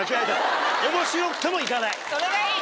それがいい！